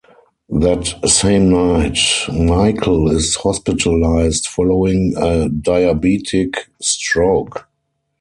That same night, Michael is hospitalized following a diabetic stroke.